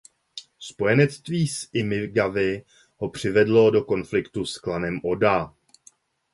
Spojenectví s Imigawy ho přivedlo do konfliktu s klanem Oda.